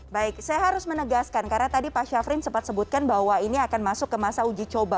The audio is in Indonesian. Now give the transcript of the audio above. baik saya harus menegaskan karena tadi pak syafrin sempat sebutkan bahwa ini akan masuk ke masa uji coba